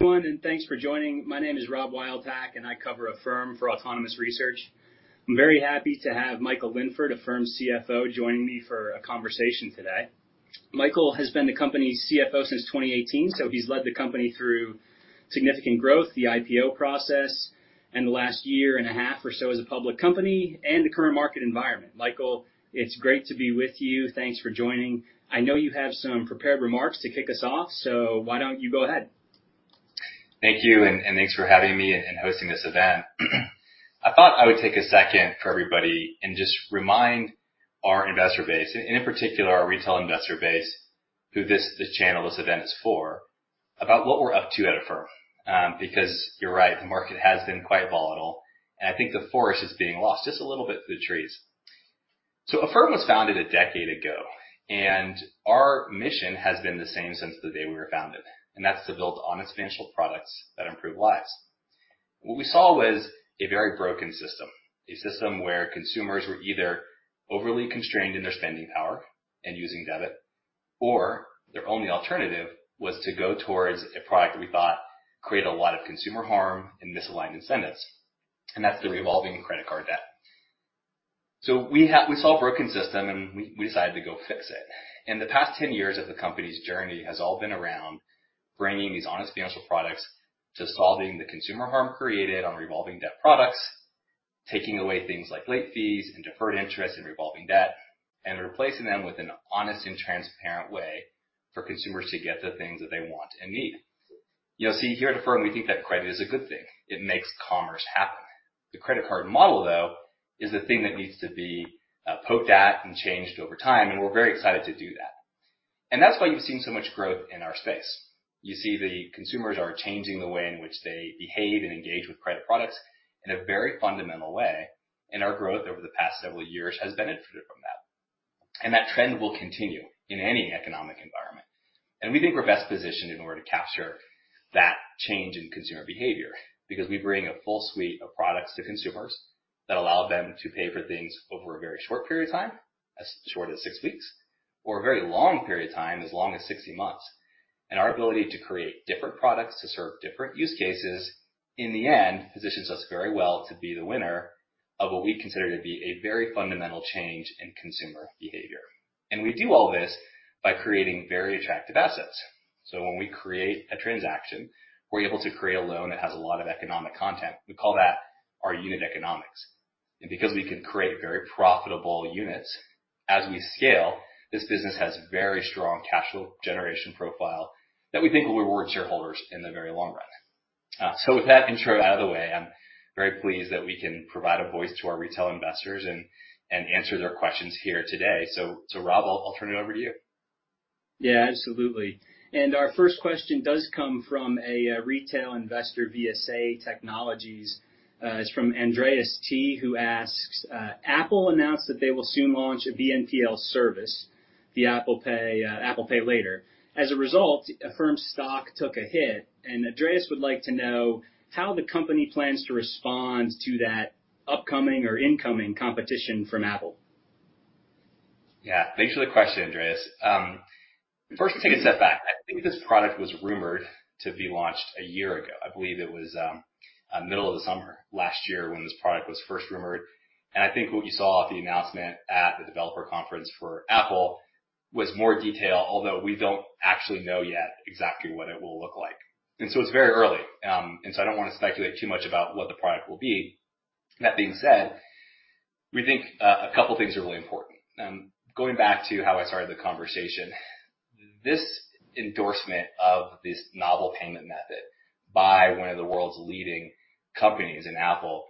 Good morning, thanks for joining. My name is Rob Wildhack, and I cover Affirm for Autonomous Research. I'm very happy to have Michael Linford, Affirm's CFO, joining me for a conversation today. Michael has been the company's CFO since 2018, so he's led the company through significant growth, the IPO process, and the last year and a half or so as a public company and the current market environment. Michael, it's great to be with you. Thanks for joining. I know you have some prepared remarks to kick us off, so why don't you go ahead. Thank you, and thanks for having me and hosting this event. I thought I would take a second for everybody and just remind our investor base, and in particular our retail investor base, who this channel, this event is for, about what we're up to at Affirm. Because you're right, the market has been quite volatile, and I think the forest is being lost just a little bit to the trees. Affirm was founded a decade ago, and our mission has been the same since the day we were founded, and that's to build honest financial products that improve lives. What we saw was a very broken system, a system where consumers were either overly constrained in their spending power and using debit, or their only alternative was to go towards a product that we thought created a lot of consumer harm and misaligned incentives, and that's the revolving credit card debt. We saw a broken system and we decided to go fix it. The past 10 years of the company's journey has all been around bringing these honest financial products to solving the consumer harm created on revolving debt products, taking away things like late fees and deferred interest and revolving debt, and replacing them with an honest and transparent way for consumers to get the things that they want and need. You know, see here at Affirm we think that credit is a good thing. It makes commerce happen. The credit card model, though, is the thing that needs to be poked at and changed over time, and we're very excited to do that. That's why you've seen so much growth in our space. You see the consumers are changing the way in which they behave and engage with credit products in a very fundamental way, and our growth over the past several years has benefited from that. That trend will continue in any economic environment. We think we're best positioned in order to capture that change in consumer behavior because we bring a full suite of products to consumers that allow them to pay for things over a very short period of time, as short as 6 weeks, or a very long period of time, as long as 60 months. Our ability to create different products to serve different use cases, in the end, positions us very well to be the winner of what we consider to be a very fundamental change in consumer behavior. We do all this by creating very attractive assets. When we create a transaction, we're able to create a loan that has a lot of economic content. We call that our unit economics. Because we can create very profitable units as we scale, this business has very strong cash flow generation profile that we think will reward shareholders in the very long run. With that intro out of the way, I'm very pleased that we can provide a voice to our retail investors and answer their questions here today. Rob, I'll turn it over to you. Absolutely. Our first question does come from a retail investor, Say Technologies. It's from Andreas T, who asks, Apple announced that they will soon launch a BNPL service, the Apple Pay Later. As a result, Affirm's stock took a hit, and Andreas would like to know how the company plans to respond to that upcoming or incoming competition from Apple. Yeah. Thanks for the question, Andreas T. First, to take a step back, I think this product was rumored to be launched a year ago. I believe it was middle of the summer last year when this product was first rumored, and I think what you saw at the announcement at the Developer Conference for Apple was more detail, although we don't actually know yet exactly what it will look like. It's very early, and I don't wanna speculate too much about what the product will be. That being said, we think a couple things are really important. Going back to how I started the conversation, this endorsement of this novel payment method by one of the world's leading companies, Apple,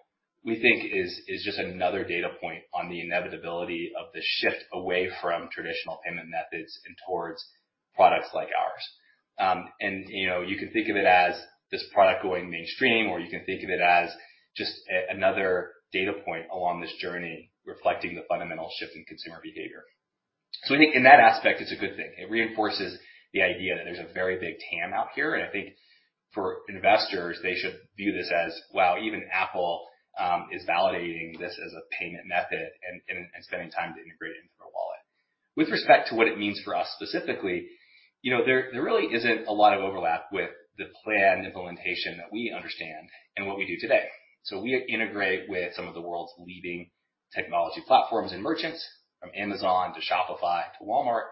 we think is just another data point on the inevitability of the shift away from traditional payment methods and towards products like ours. You know, you can think of it as this product going mainstream, or you can think of it as just another data point along this journey reflecting the fundamental shift in consumer behavior. I think in that aspect, it's a good thing. It reinforces the idea that there's a very big TAM out here, and I think for investors, they should view this as, wow, even Apple is validating this as a payment method and spending time to integrate it into their wallet. With respect to what it means for us specifically, you know, there really isn't a lot of overlap with the planned implementation that we understand and what we do today. We integrate with some of the world's leading technology platforms and merchants, from Amazon to Shopify to Walmart,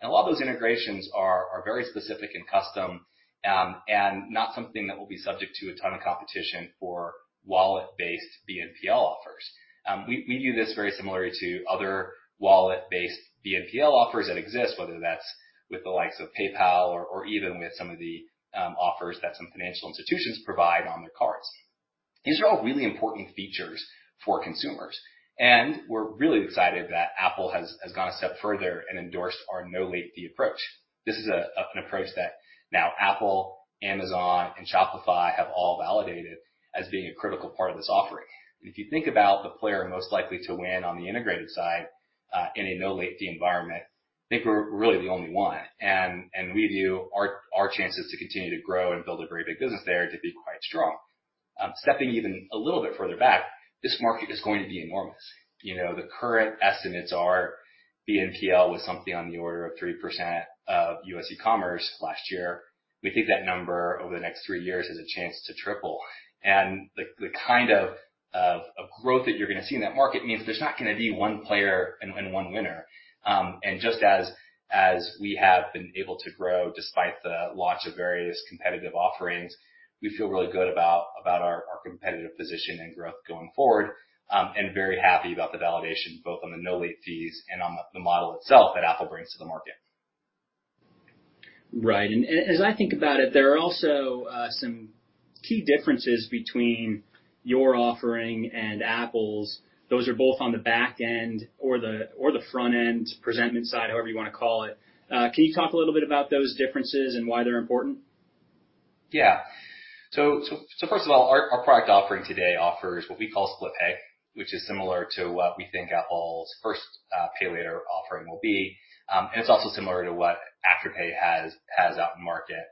and a lot of those integrations are very specific and custom, and not something that will be subject to a ton of competition for wallet-based BNPL offers. We view this very similar to other wallet-based BNPL offers that exist, whether that's with the likes of PayPal or even with some of the offers that some financial institutions provide on their cards. These are all really important features for consumers, and we're really excited that Apple has gone a step further and endorsed our no late fee approach. This is an approach that now Apple, Amazon and Shopify have all validated as being a critical part of this offering. If you think about the player most likely to win on the integrated side, in a no late fee environment, I think we're really the only one, and we view our chances to continue to grow and build a very big business there to be quite strong. Stepping even a little bit further back, this market is going to be enormous. You know, the current estimates are BNPL was something on the order of 3% of U.S. e-commerce last year. We think that number over the next three years has a chance to triple. The kind of growth that you're gonna see in that market means there's not gonna be one player and one winner. Just as we have been able to grow despite the launch of various competitive offerings, we feel really good about our competitive position and growth going forward, and very happy about the validation, both on the no late fees and on the model itself that Apple brings to the market. Right. As I think about it, there are also some key differences between your offering and Apple's. Those are both on the back end or the front end, presentment side, however you wanna call it. Can you talk a little bit about those differences and why they're important? First of all, our product offering today offers what we call Split Pay, which is similar to what we think Apple's first pay later offering will be. It's also similar to what Afterpay has out in market.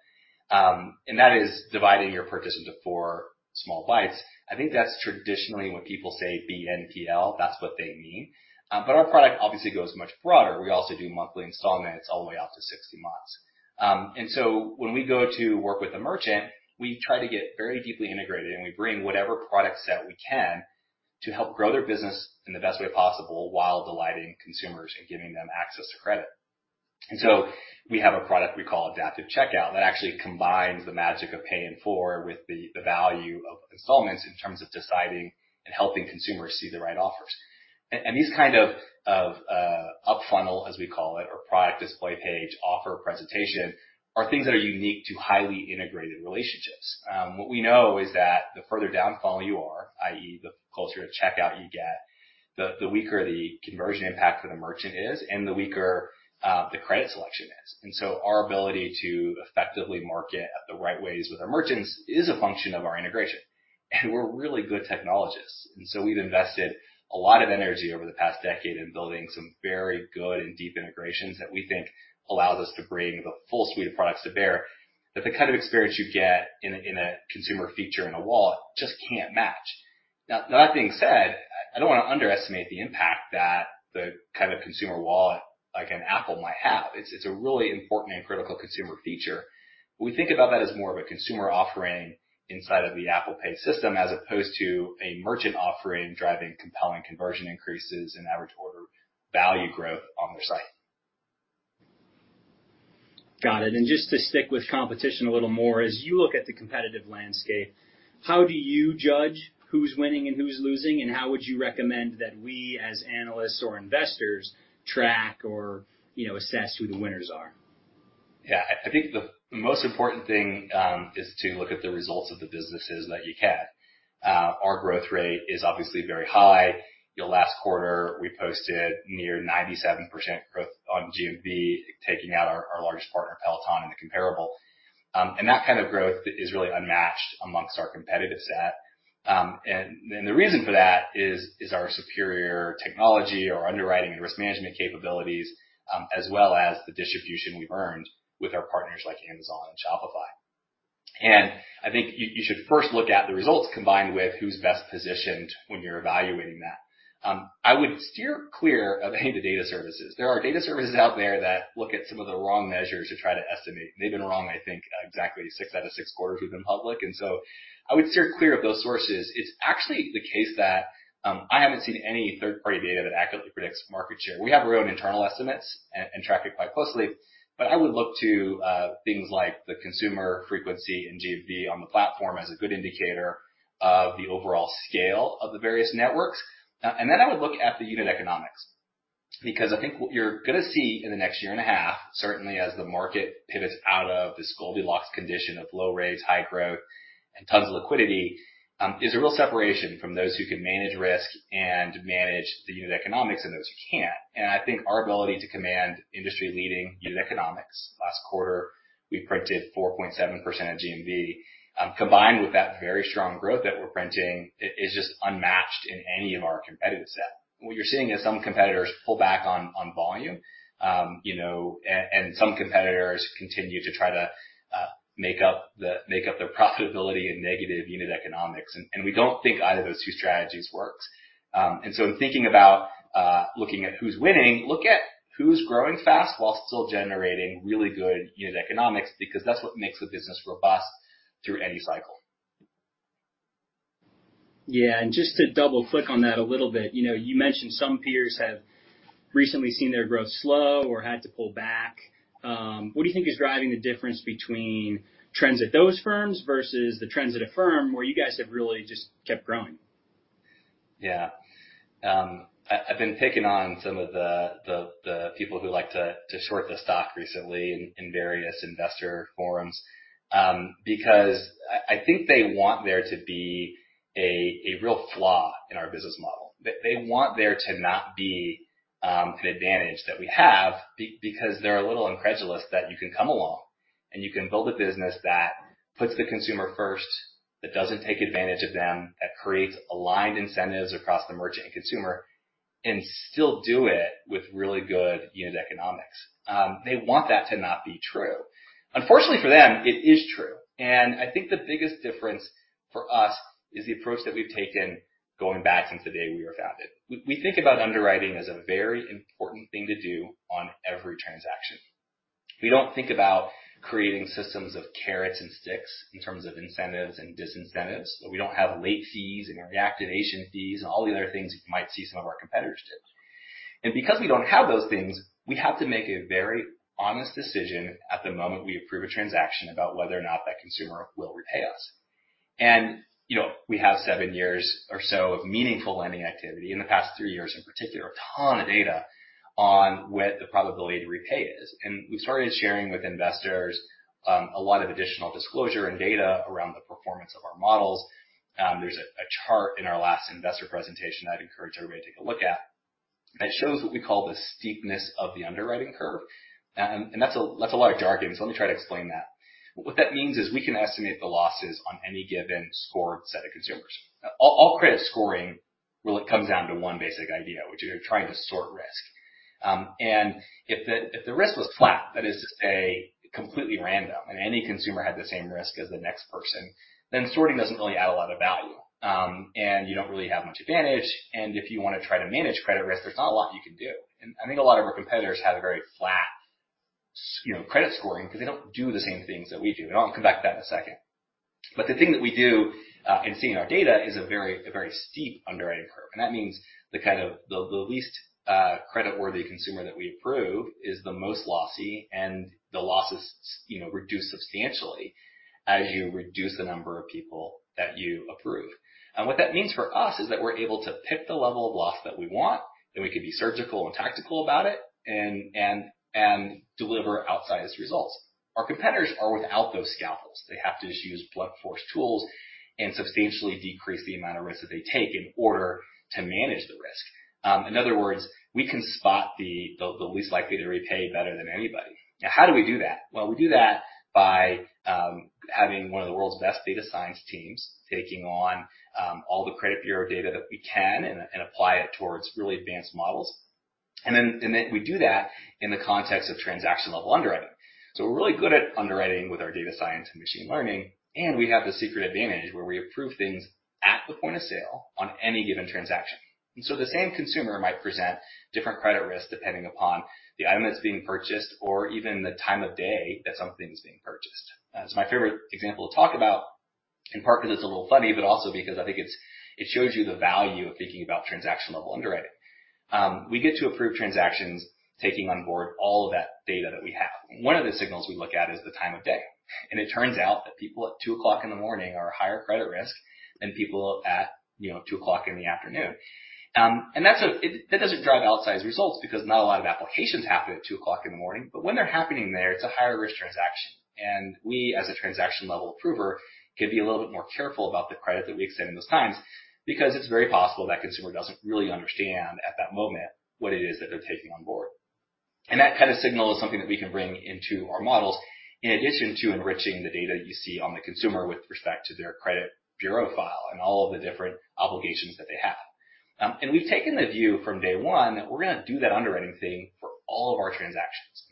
That is dividing your purchase into 4 small bites. I think that's traditionally when people say BNPL, that's what they mean. Our product obviously goes much broader. We also do monthly installments all the way out to 60 months. When we go to work with a merchant, we try to get very deeply integrated, and we bring whatever product set we can to help grow their business in the best way possible while delighting consumers and giving them access to credit. We have a product we call Adaptive Checkout that actually combines the magic of pay in full with the value of installments in terms of deciding and helping consumers see the right offers. These kind of up funnel, as we call it, or product display page offer presentation, are things that are unique to highly integrated relationships. What we know is that the further down funnel you are, i.e. the closer to checkout you get, the weaker the conversion impact for the merchant is and the weaker the credit selection is. Our ability to effectively market in the right ways with our merchants is a function of our integration. We're really good technologists, and so we've invested a lot of energy over the past decade in building some very good and deep integrations that we think allows us to bring the full suite of products to bear, that the kind of experience you get in a consumer feature in a wallet just can't match. Now, that being said, I don't wanna underestimate the impact that the kind of consumer wallet like an Apple might have. It's a really important and critical consumer feature. We think about that as more of a consumer offering inside of the Apple Pay system as opposed to a merchant offering driving compelling conversion increases and average order value growth on their site. Got it. Just to stick with competition a little more, as you look at the competitive landscape, how do you judge who's winning and who's losing, and how would you recommend that we, as analysts or investors, track or, you know, assess who the winners are? Yeah. I think the most important thing is to look at the results of the businesses that you can. Our growth rate is obviously very high. Last quarter, we posted near 97% growth on GMV, taking out our largest partner, Peloton, in the comparable. That kind of growth is really unmatched amongst our competitive set. The reason for that is our superior technology, our underwriting and risk management capabilities, as well as the distribution we've earned with our partners like Amazon and Shopify. I think you should first look at the results combined with who's best positioned when you're evaluating that. I would steer clear of any of the data services. There are data services out there that look at some of the wrong measures to try to estimate. They've been wrong, I think, exactly six out of six quarters we've been public, so I would steer clear of those sources. It's actually the case that I haven't seen any third-party data that accurately predicts market share. We have our own internal estimates and track it quite closely, but I would look to things like the consumer frequency in GMV on the platform as a good indicator of the overall scale of the various networks. I would look at the unit economics because I think what you're gonna see in the next year and a half, certainly as the market pivots out of this Goldilocks condition of low rates, high growth, and tons of liquidity, is a real separation from those who can manage risk and manage the unit economics and those who can't. I think our ability to command industry-leading unit economics. Last quarter, we printed 4.7% of GMV combined with that very strong growth that we're printing is just unmatched in any of our competitive set. What you're seeing is some competitors pull back on volume, you know, and some competitors continue to try to make up their profitability in negative unit economics. We don't think either of those two strategies works. In thinking about looking at who's winning, look at who's growing fast while still generating really good unit economics, because that's what makes the business robust through any cycle. Yeah. Just to double-click on that a little bit, you know, you mentioned some peers have recently seen their growth slow or had to pull back. What do you think is driving the difference between trends at those firms versus the trends at Affirm, where you guys have really just kept growing? Yeah. I've been picking on some of the people who like to short the stock recently in various investor forums, because I think they want there to be a real flaw in our business model. They want there to not be an advantage that we have because they're a little incredulous that you can come along and you can build a business that puts the consumer first, that doesn't take advantage of them, that creates aligned incentives across the merchant and consumer. Still do it with really good unit economics. They want that to not be true. Unfortunately for them, it is true. I think the biggest difference for us is the approach that we've taken going back since the day we were founded. We think about underwriting as a very important thing to do on every transaction. We don't think about creating systems of carrots and sticks in terms of incentives and disincentives. We don't have late fees and reactivation fees and all the other things you might see some of our competitors do. You know, we have to make a very honest decision at the moment we approve a transaction about whether or not that consumer will repay us. You know, we have seven years or so of meaningful lending activity, in the past three years in particular, a ton of data on what the probability to repay is. We've started sharing with investors a lot of additional disclosure and data around the performance of our models. There's a chart in our last investor presentation I'd encourage everybody to take a look at that shows what we call the steepness of the underwriting curve. That's a lot of jargon, so let me try to explain that. What that means is we can estimate the losses on any given scored set of consumers. All credit scoring really comes down to one basic idea, which is you're trying to sort risk. If the risk was flat, that is to say completely random, and any consumer had the same risk as the next person, then sorting doesn't really add a lot of value. You don't really have much advantage, and if you wanna try to manage credit risk, there's not a lot you can do. I think a lot of our competitors have a very flat you know, credit scoring 'cause they don't do the same things that we do, and I'll come back to that in a second. The thing that we do and see in our data is a very steep underwriting curve, and that means the least creditworthy consumer that we approve is the most lossy and the losses you know reduce substantially as you reduce the number of people that you approve. What that means for us is that we're able to pick the level of loss that we want, and we can be surgical and tactical about it and deliver outsized results. Our competitors are without those scalpels. They have to just use blunt force tools and substantially decrease the amount of risk that they take in order to manage the risk. In other words, we can spot the least likely to repay better than anybody. Now how do we do that? Well, we do that by having one of the world's best data science teams taking on all the credit bureau data that we can and apply it towards really advanced models. We do that in the context of transaction-level underwriting. We're really good at underwriting with our data science and machine learning, and we have the secret advantage where we approve things at the point of sale on any given transaction. The same consumer might present different credit risk depending upon the item that's being purchased or even the time of day that something's being purchased. It's my favorite example to talk about, in part because it's a little funny, but also because I think it shows you the value of thinking about transaction-level underwriting. We get to approve transactions taking on board all of that data that we have. One of the signals we look at is the time of day, and it turns out that people at 2:00 in the morning are higher credit risk than people at 2:00 in the afternoon. That doesn't drive outsized results because not a lot of applications happen at 2:00 in the morning, but when they're happening there, it's a higher risk transaction. We, as a transaction-level approver, can be a little bit more careful about the credit that we extend in those times because it's very possible that consumer doesn't really understand at that moment what it is that they're taking on board. That kind of signal is something that we can bring into our models in addition to enriching the data you see on the consumer with respect to their credit bureau file and all of the different obligations that they have. We've taken the view from day one that we're gonna do that underwriting thing for all of our transactions.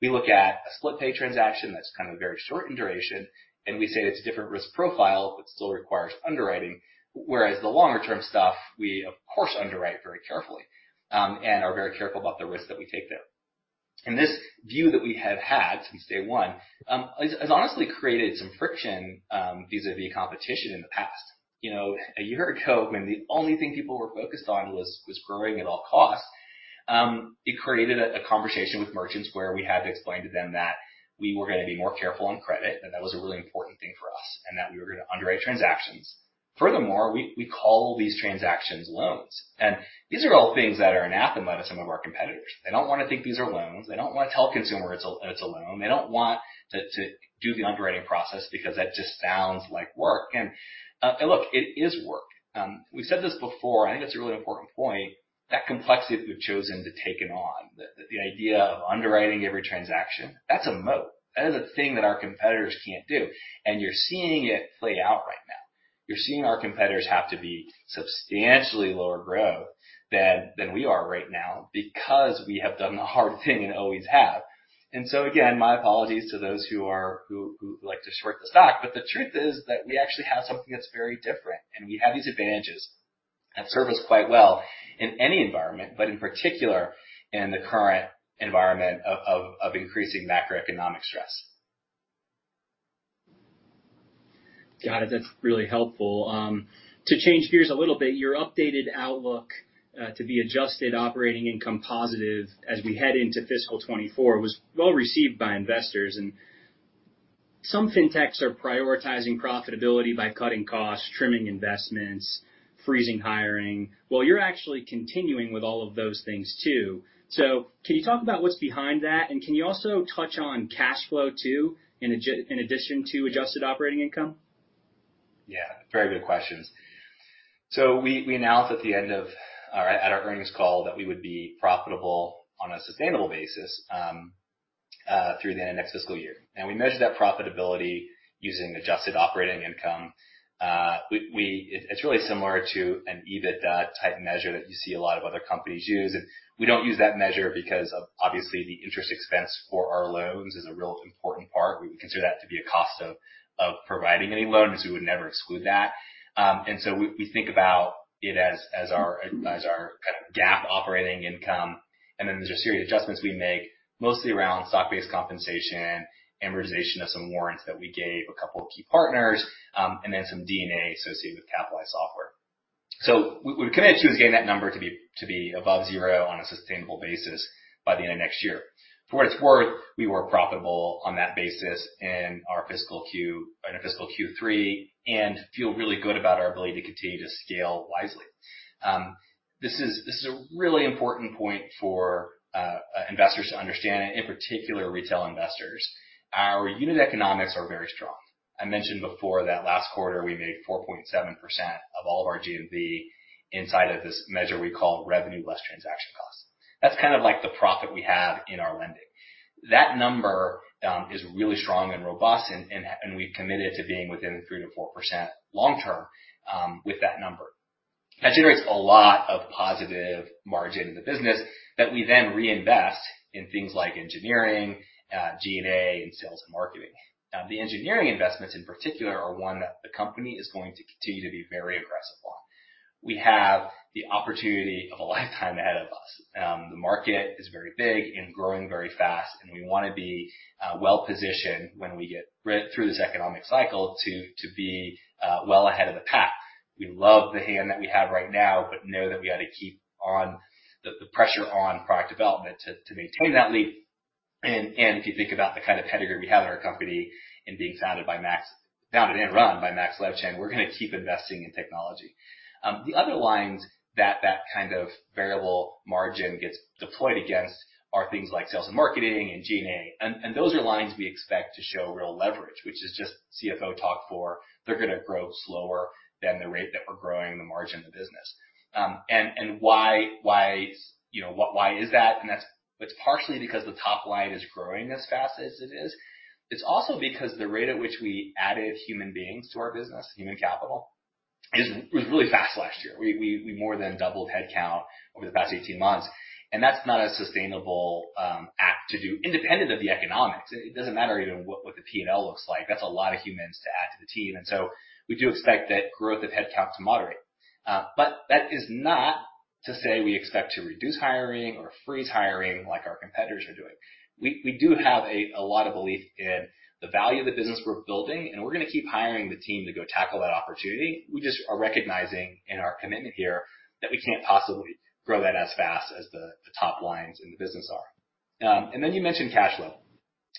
We look at a Split Pay transaction that's kind of very short in duration, and we say it's a different risk profile but still requires underwriting. Whereas the longer term stuff, we of course underwrite very carefully, and are very careful about the risk that we take there. This view that we have had since day one has honestly created some friction vis-à-vis competition in the past. You know, a year ago, when the only thing people were focused on was growing at all costs, it created a conversation with merchants where we had to explain to them that we were gonna be more careful on credit, that was a really important thing for us, and that we were gonna underwrite transactions. Furthermore, we call these transactions loans, and these are all things that are anathema to some of our competitors. They don't wanna think these are loans. They don't wanna tell consumers it's a loan. They don't want to do the underwriting process because that just sounds like work. Look, it is work. We've said this before, and I think that's a really important point, that complexity we've chosen to take on, the idea of underwriting every transaction, that's a moat. That is a thing that our competitors can't do. You're seeing it play out right now. You're seeing our competitors have to be substantially lower growth than we are right now because we have done the hard thing and always have. Again, my apologies to those who like to short the stock, but the truth is that we actually have something that's very different, and we have these advantages that serve us quite well in any environment, but in particular in the current environment of increasing macroeconomic stress. Got it. That's really helpful. To change gears a little bit, your updated outlook to be adjusted operating income positive as we head into fiscal 2024 was well received by investors. Some fintechs are prioritizing profitability by cutting costs, trimming investments, freezing hiring, while you're actually continuing with all of those things too. Can you talk about what's behind that? Can you also touch on cash flow too in addition to adjusted operating income? Very good questions. We announced at our earnings call that we would be profitable on a sustainable basis through the end of next fiscal year. Now we measure that profitability using adjusted operating income. It is really similar to an EBITDA type measure that you see a lot of other companies use, and we don't use that measure because obviously the interest expense for our loans is a real important part. We consider that to be a cost of providing any loans. We would never exclude that. We think about it as our kind of GAAP operating income. There's a series of adjustments we make mostly around stock-based compensation, amortization of some warrants that we gave a couple of key partners, and then some D&A associated with capitalized software. We're committed to getting that number to be above zero on a sustainable basis by the end of next year. For what it's worth, we were profitable on that basis in our fiscal Q3 and feel really good about our ability to continue to scale wisely. This is a really important point for investors to understand and in particular, retail investors. Our unit economics are very strong. I mentioned before that last quarter we made 4.7% of all of our GMV inside of this measure we call Revenue Less Transaction Costs. That's kind of like the profit we have in our lending. That number is really strong and robust and we've committed to being within 3%-4% long term with that number. That generates a lot of positive margin in the business that we then reinvest in things like engineering G&A and sales and marketing. The engineering investments in particular are one that the company is going to continue to be very aggressive on. We have the opportunity of a lifetime ahead of us. The market is very big and growing very fast, and we wanna be well-positioned when we get through this economic cycle to be well ahead of the pack. We love the hand that we have right now, but know that we gotta keep on the pressure on product development to maintain that lead. If you think about the kind of pedigree we have in our company in being founded and run by Max Levchin, we're gonna keep investing in technology. The other lines that kind of variable margin gets deployed against are things like sales and marketing and G&A. Those are lines we expect to show real leverage, which is just CFO talk for they're gonna grow slower than the rate that we're growing the margin of the business. Why? You know, why is that? It's partially because the top line is growing as fast as it is. It's also because the rate at which we added human beings to our business, human capital, was really fast last year. We more than doubled headcount over the past 18 months, and that's not a sustainable act to do independent of the economics. It doesn't matter even what the P&L looks like. That's a lot of humans to add to the team. We do expect that growth of headcount to moderate. That is not to say we expect to reduce hiring or freeze hiring like our competitors are doing. We do have a lot of belief in the value of the business we're building, and we're gonna keep hiring the team to go tackle that opportunity. We just are recognizing in our commitment here that we can't possibly grow that as fast as the top lines in the business are. Then you mentioned cash flow.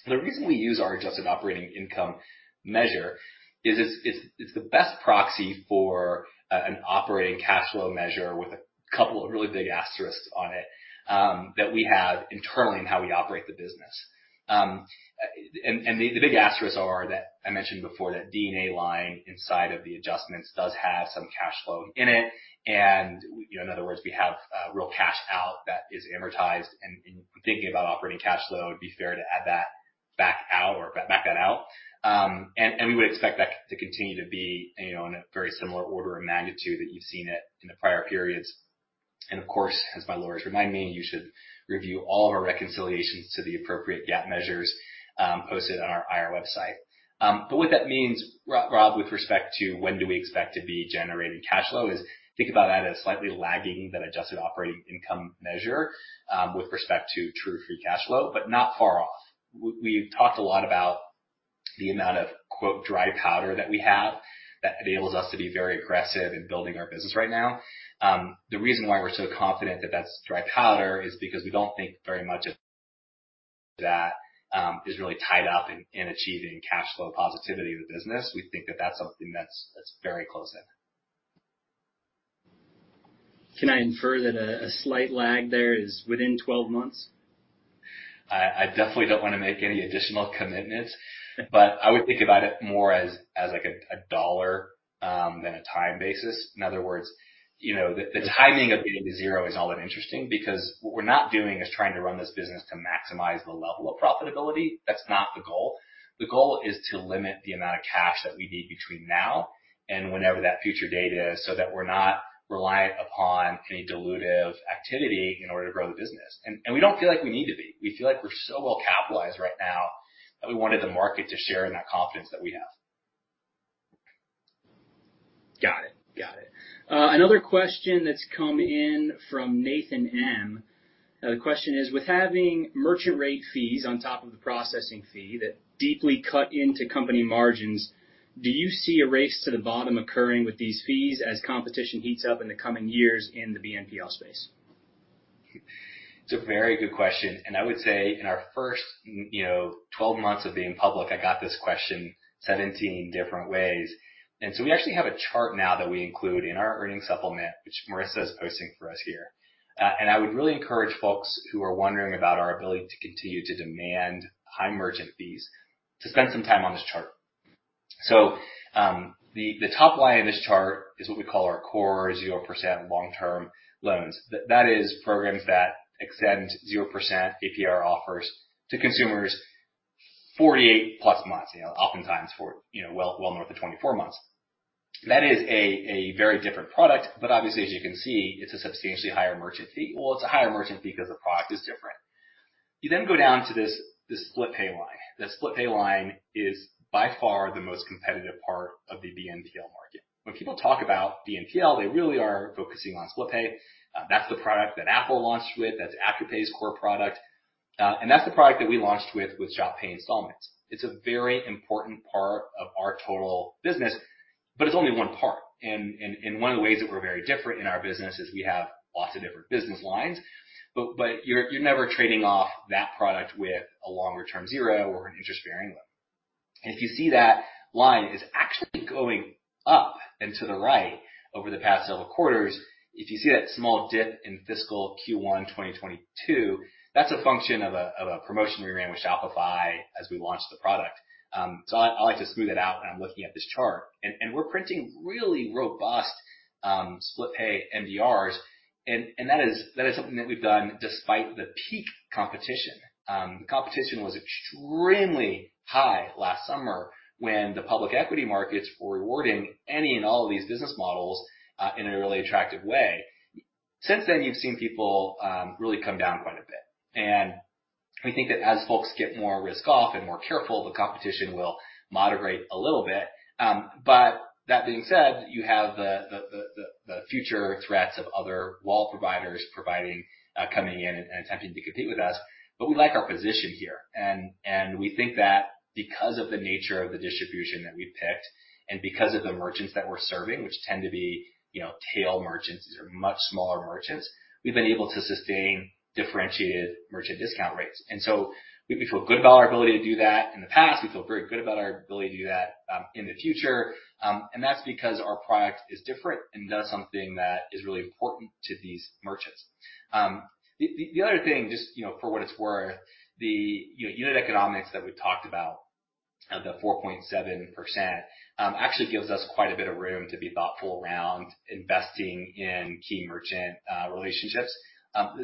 The reason we use our adjusted operating income measure is it's the best proxy for an operating cash flow measure with a couple of really big asterisks on it that we have internally in how we operate the business. The big asterisks are that I mentioned before, that D&A line inside of the adjustments does have some cash flow in it. You know, in other words, we have real cash out that is amortized. In thinking about operating cash flow, it'd be fair to add that back out or back that out. We would expect that to continue to be you know in a very similar order of magnitude that you've seen it in the prior periods. Of course, as my lawyers remind me, you should review all of our reconciliations to the appropriate GAAP measures, posted on our IR website. What that means, Rob, with respect to when do we expect to be generating cash flow is think about that as slightly lagging that adjusted operating income measure, with respect to true free cash flow, but not far off. We've talked a lot about the amount of quote "dry powder" that we have that enables us to be very aggressive in building our business right now. The reason why we're so confident that that's dry powder is because we don't think very much of that is really tied up in achieving cash flow positivity of the business. We think that that's something that's very close in. Can I infer that a slight lag there is within 12 months? I definitely don't wanna make any additional commitments. I would think about it more as like a dollar than a time basis. In other words, you know, the timing of getting to zero is all but interesting because what we're not doing is trying to run this business to maximize the level of profitability. That's not the goal. The goal is to limit the amount of cash that we need between now and whenever that future date is, so that we're not reliant upon any dilutive activity in order to grow the business. We don't feel like we need to be. We feel like we're so well capitalized right now that we wanted the market to share in that confidence that we have. Got it. Another question that's come in from Nathan M. The question is: With having merchant rate fees on top of the processing fee that deeply cut into company margins, do you see a race to the bottom occurring with these fees as competition heats up in the coming years in the BNPL space? It's a very good question, and I would say in our first, you know, 12 months of being public, I got this question 17 different ways. We actually have a chart now that we include in our earnings supplement, which Marissa is posting for us here. I would really encourage folks who are wondering about our ability to continue to demand high merchant fees to spend some time on this chart. The top line in this chart is what we call our core 0% long-term loans. That is programs that extend 0% APR offers to consumers 48+ months, you know, oftentimes for, you know, well more than 24 months. That is a very different product, but obviously as you can see, it's a substantially higher merchant fee. Well, it's a higher merchant fee because the product is different. You then go down to this Split Pay line. The Split Pay line is by far the most competitive part of the BNPL market. When people talk about BNPL, they really are focusing on Split Pay. That's the product that Apple launched with. That's Afterpay's core product. That's the product that we launched with Shop Pay Installments. It's a very important part of our total business, but it's only one part. One of the ways that we're very different in our business is we have lots of different business lines, but you're never trading off that product with a longer-term zero or an interest-bearing loan. If you see that line is actually going up and to the right over the past several quarters. If you see that small dip in fiscal Q1 2022, that's a function of a promotion we ran with Shopify as we launched the product. I like to smooth it out when I'm looking at this chart. We're printing really robust Split Pay MDRs, and that is something that we've done despite the peak competition. The competition was extremely high last summer when the public equity markets were rewarding any and all of these business models in a really attractive way. Since then, you've seen people really come down quite a bit. We think that as folks get more risk off and more careful, the competition will moderate a little bit. That being said, you have the future threats of other wallet providers coming in and attempting to compete with us. We like our position here. We think that because of the nature of the distribution that we picked and because of the merchants that we're serving, which tend to be, you know, long-tail merchants, these are much smaller merchants, we've been able to sustain differentiated merchant discount rates. We feel good about our ability to do that in the past. We feel very good about our ability to do that in the future. That's because our product is different and does something that is really important to these merchants. The other thing, just, you know, for what it's worth, the, you know, unit economics that we've talked about, the 4.7%, actually gives us quite a bit of room to be thoughtful around investing in key merchant relationships.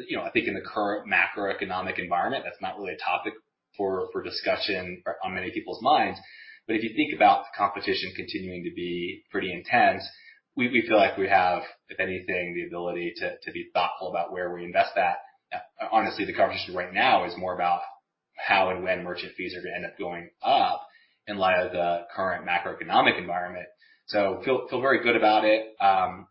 You know, I think in the current macroeconomic environment, that's not really a topic for discussion or on many people's minds. If you think about the competition continuing to be pretty intense, we feel like we have, if anything, the ability to be thoughtful about where we invest that. Honestly, the conversation right now is more about how and when merchant fees are gonna end up going up in light of the current macroeconomic environment. Feel very good about it,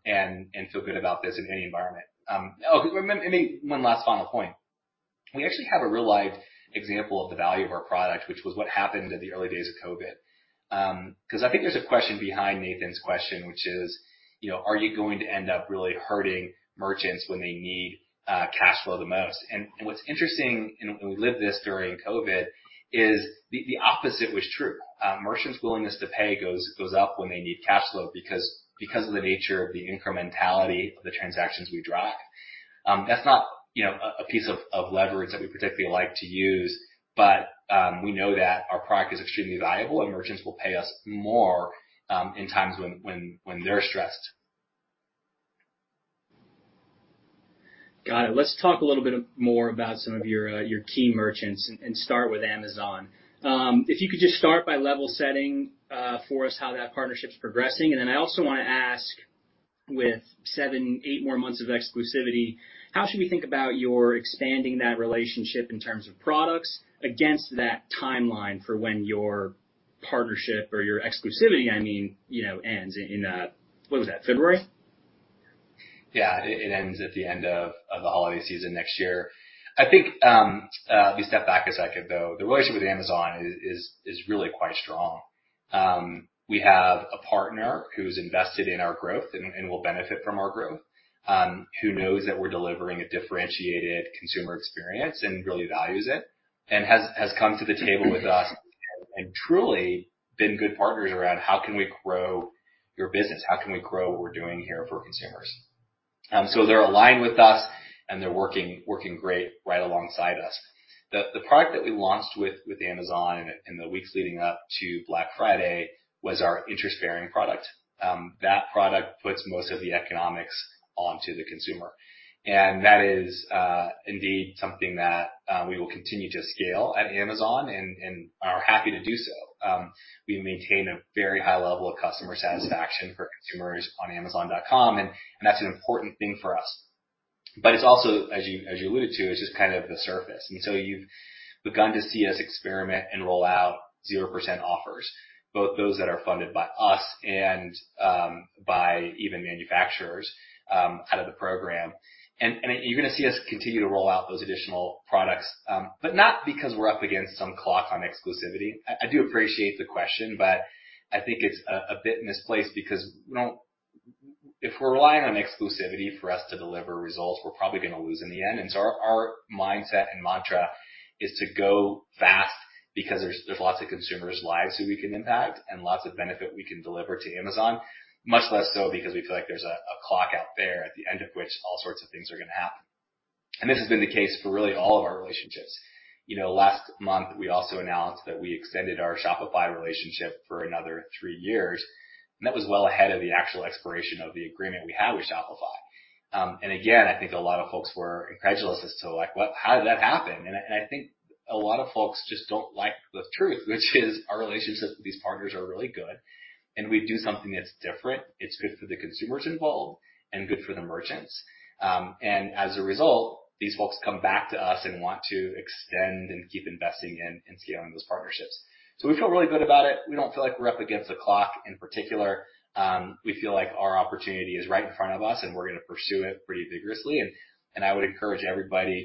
and feel good about this in any environment. One last final point. We actually have a real life example of the value of our product, which was what happened in the early days of COVID. I think there's a question behind Nathan's question, which is, you know, are you going to end up really hurting merchants when they need cash flow the most? What's interesting, and we lived this during COVID, is the opposite was true. Merchants' willingness to pay goes up when they need cash flow because of the nature of the incrementality of the transactions we drive. That's not, you know, a piece of leverage that we particularly like to use, but we know that our product is extremely valuable, and merchants will pay us more in times when they're stressed. Got it. Let's talk a little bit more about some of your key merchants and start with Amazon. If you could just start by level setting for us how that partnership's progressing. Then I also wanna ask, with 7-8 more months of exclusivity, how should we think about your expanding that relationship in terms of products against that timeline for when your partnership or your exclusivity, I mean, you know, ends in, what was that? February? Yeah. It ends at the end of the holiday season next year. I think, let me step back a second, though. The relationship with Amazon is really quite strong. We have a partner who's invested in our growth and will benefit from our growth, who knows that we're delivering a differentiated consumer experience and really values it, and has come to the table with us and truly been good partners around how can we grow your business? How can we grow what we're doing here for consumers? They're aligned with us, and they're working great right alongside us. The product that we launched with Amazon in the weeks leading up to Black Friday was our interest-bearing product. That product puts most of the economics onto the consumer. That is indeed something that we will continue to scale at Amazon and are happy to do so. We maintain a very high level of customer satisfaction for consumers on Amazon.com, and that's an important thing for us. It's also, as you alluded to, is just kind of the surface. You've begun to see us experiment and roll out 0% offers, both those that are funded by us and by even manufacturers out of the program. You're gonna see us continue to roll out those additional products, but not because we're up against some clock on exclusivity. I do appreciate the question, but I think it's a bit misplaced because we don't. If we're relying on exclusivity for us to deliver results, we're probably gonna lose in the end. Our mindset and mantra is to go fast because there's lots of consumers' lives that we can impact and lots of benefit we can deliver to Amazon, much less so because we feel like there's a clock out there at the end of which all sorts of things are gonna happen. This has been the case for really all of our relationships. You know, last month we also announced that we extended our Shopify relationship for another three years, and that was well ahead of the actual expiration of the agreement we had with Shopify. Again, I think a lot of folks were incredulous as to like, "What? How did that happen?" I think a lot of folks just don't like the truth, which is our relationships with these partners are really good, and we do something that's different. It's good for the consumers involved and good for the merchants. As a result, these folks come back to us and want to extend and keep investing in scaling those partnerships. We feel really good about it. We don't feel like we're up against the clock in particular. We feel like our opportunity is right in front of us, and we're gonna pursue it pretty vigorously and I would encourage everybody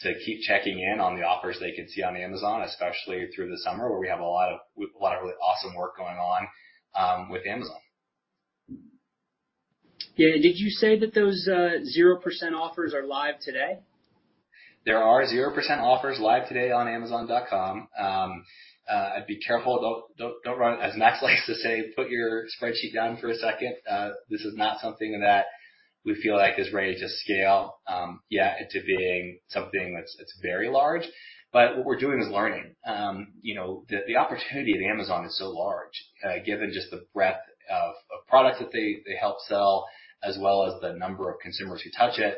to keep checking in on the offers they can see on Amazon, especially through the summer, where we have a lot of really awesome work going on with Amazon. Yeah. Did you say that those 0% offers are live today? There are 0% offers live today on Amazon.com. I'd be careful. Don't run. As Max likes to say, put your spreadsheet down for a second. This is not something that we feel like is ready to scale yet into being something that's very large. What we're doing is learning. You know, the opportunity at Amazon is so large, given just the breadth of products that they help sell, as well as the number of consumers who touch it.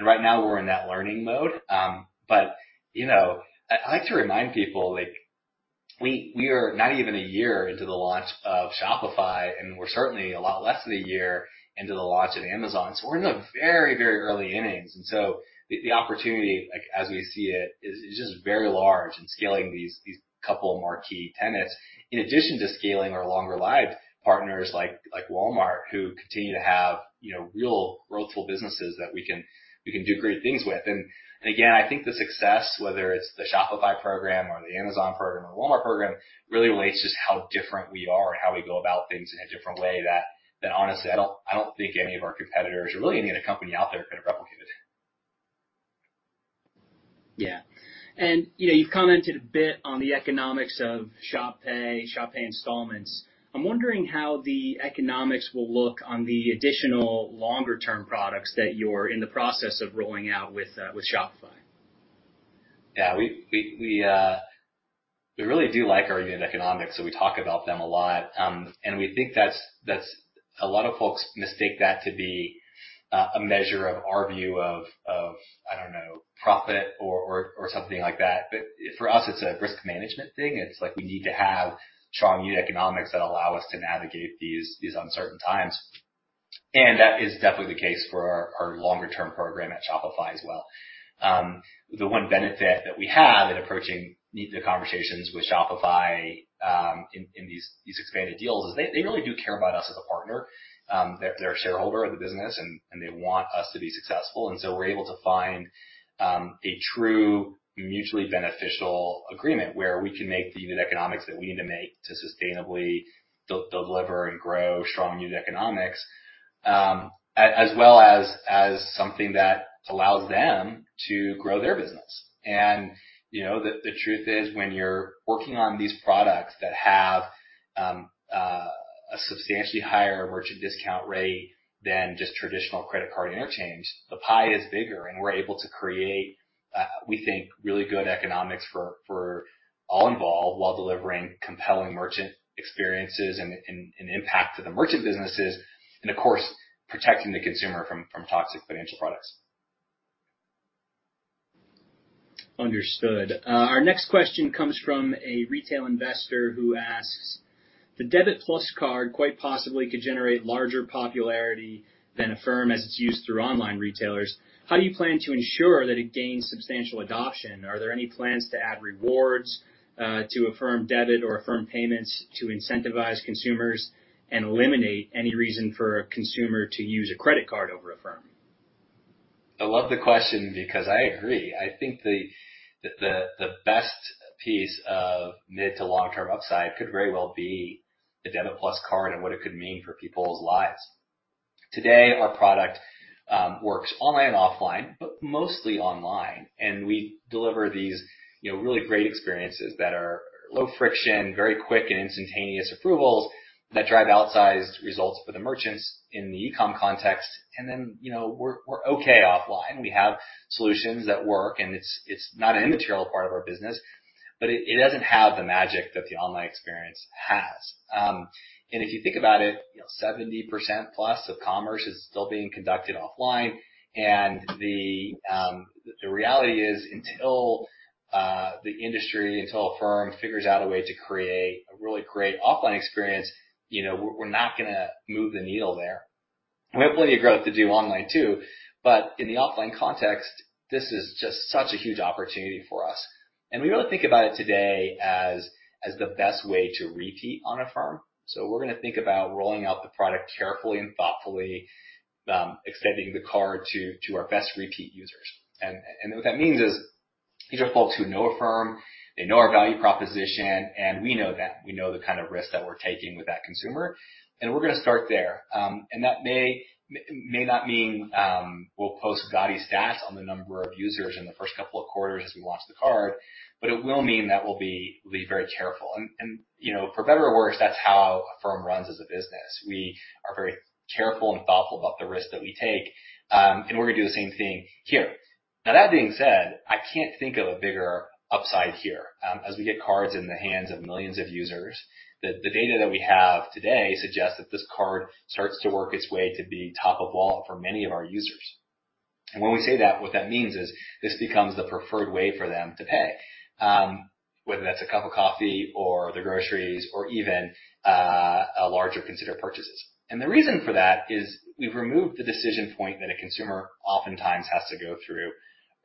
Right now we're in that learning mode. You know, I like to remind people, like we are not even a year into the launch of Shopify, and we're certainly a lot less than a year into the launch at Amazon. We're in the very, very early innings. The opportunity like as we see it is just very large in scaling these couple of marquee tenants, in addition to scaling our longer lived partners like Walmart, who continue to have, you know, real growthful businesses that we can do great things with. Again, I think the success, whether it's the Shopify program or the Amazon program or Walmart program, really relates just how different we are and how we go about things in a different way that honestly, I don't think any of our competitors or really any other company out there could have replicated. Yeah. You know, you've commented a bit on the economics of Shop Pay, Shop Pay Installments. I'm wondering how the economics will look on the additional longer-term products that you're in the process of rolling out with Shopify? Yeah. We really do like our unit economics, so we talk about them a lot. We think that's a lot of folks mistake that to be a measure of our view of profit or something like that. For us, it's a risk management thing. It's like we need to have strong unit economics that allow us to navigate these uncertain times. That is definitely the case for our longer term program at Shopify as well. The one benefit that we have in approaching the conversations with Shopify in these expanded deals is they really do care about us as a partner, they're a shareholder of the business and they want us to be successful. We're able to find a true mutually beneficial agreement where we can make the unit economics that we need to make to sustainably deliver and grow strong unit economics, as well as something that allows them to grow their business. You know, the truth is, when you're working on these products that have a substantially higher merchant discount rate than just traditional credit card interchange, the pie is bigger and we're able to create, we think really good economics for all involved while delivering compelling merchant experiences and impact to the merchant businesses and of course, protecting the consumer from toxic financial products. Understood. Our next question comes from a retail investor who asks, "The Affirm Card quite possibly could generate larger popularity than Affirm as it's used through online retailers. How do you plan to ensure that it gains substantial adoption? Are there any plans to add rewards to Affirm Debit or Affirm payments to incentivize consumers and eliminate any reason for a consumer to use a credit card over Affirm? I love the question because I agree. I think the best piece of mid to long term upside could very well be the Affirm Card and what it could mean for people's lives. Today, our product works online and offline, but mostly online, and we deliver these, you know, really great experiences that are low friction, very quick and instantaneous approvals that drive outsized results for the merchants in the e-com context. You know, we're okay offline. We have solutions that work, and it's not an immaterial part of our business, but it doesn't have the magic that the online experience has. If you think about it, you know, 70%+ of commerce is still being conducted offline. The reality is, until Affirm figures out a way to create a really great offline experience, you know, we're not gonna move the needle there. We have plenty of growth to do online too, but in the offline context, this is just such a huge opportunity for us, and we really think about it today as the best way to repeat on Affirm. We're gonna think about rolling out the product carefully and thoughtfully, extending the card to our best repeat users. What that means is these are folks who know Affirm, they know our value proposition, and we know that. We know the kind of risk that we're taking with that consumer, and we're gonna start there. That may not mean we'll post gaudy stats on the number of users in the first couple of quarters as we launch the card, but it will mean that we'll be really very careful. You know, for better or worse, that's how Affirm runs as a business. We are very careful and thoughtful about the risk that we take, and we're gonna do the same thing here. Now that being said, I can't think of a bigger upside here, as we get cards in the hands of millions of users, the data that we have today suggests that this card starts to work its way to be top of wallet for many of our users. When we say that, what that means is this becomes the preferred way for them to pay, whether that's a cup of coffee or the groceries or even, a larger considered purchases. The reason for that is we've removed the decision point that a consumer oftentimes has to go through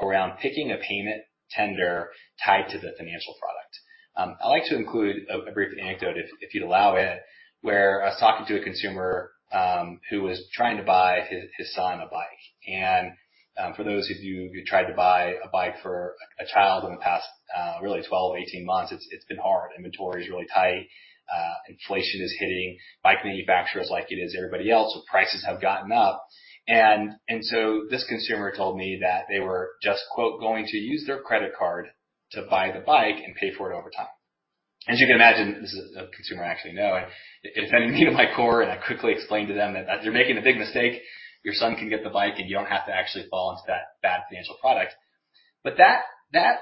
around picking a payment tender tied to the financial product. I'd like to include a brief anecdote if you'd allow it, where I was talking to a consumer, who was trying to buy his son a bike. For those of you who tried to buy a bike for a child in the past, really 12-18 months, it's been hard. Inventory is really tight. Inflation is hitting bike manufacturers like it is everybody else, so prices have gotten up. This consumer told me that they were just, quote, "Going to use their credit card to buy the bike and pay for it over time." As you can imagine, this is a consumer I actually know, and it offended me to my core, and I quickly explained to them that they're making a big mistake. Your son can get the bike, and you don't have to actually fall into that bad financial product. That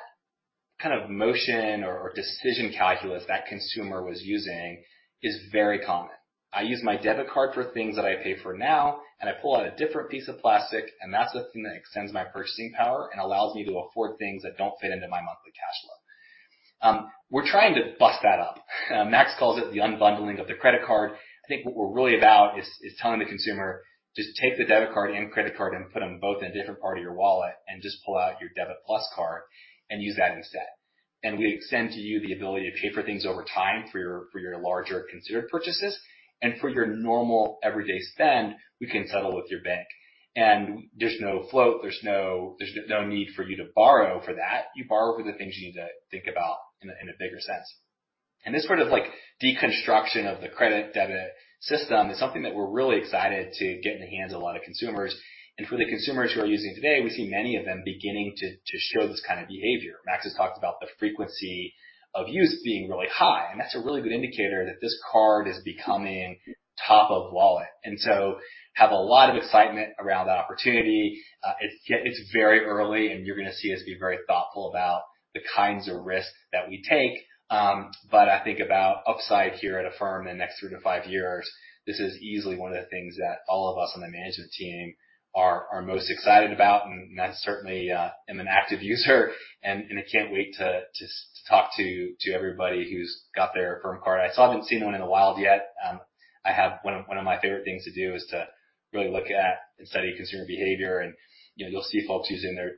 kind of motion or decision calculus that consumer was using is very common. I use my debit card for things that I pay for now, and I pull out a different piece of plastic, and that's the thing that extends my purchasing power and allows me to afford things that don't fit into my monthly cash flow. We're trying to bust that up. Max calls it the unbundling of the credit card. I think what we're really about is telling the consumer, just take the debit card and credit card and put them both in a different part of your wallet and just pull out your Affirm Card and use that instead. We extend to you the ability to pay for things over time for your larger considered purchases, and for your normal everyday spend, we can settle with your bank. There's no float, there's no need for you to borrow for that. You borrow for the things you need to think about in a bigger sense. This sort of like deconstruction of the credit debit system is something that we're really excited to get in the hands of a lot of consumers. For the consumers who are using today, we see many of them beginning to show this kind of behavior. Max has talked about the frequency of use being really high, and that's a really good indicator that this card is becoming top of wallet. We have a lot of excitement around that opportunity. It's very early, and you're gonna see us be very thoughtful about the kinds of risks that we take. I think about upside here at Affirm in the next three to five years, this is easily one of the things that all of us on the management team are most excited about, and I certainly am an active user and I can't wait to talk to everybody who's got their Affirm Card. I still haven't seen one in the wild yet. I have one of my favorite things to do is to really look at and study consumer behavior and, you know, you'll see folks using their,